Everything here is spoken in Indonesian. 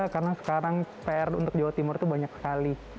karena sekarang pr untuk jawa timur itu banyak sekali